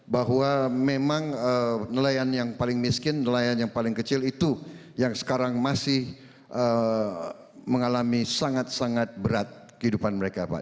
bahwa memang nelayan yang paling miskin nelayan yang paling kecil itu yang sekarang masih mengalami sangat sangat berat kehidupan mereka pak